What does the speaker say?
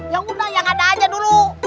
ya udah yang ada aja dulu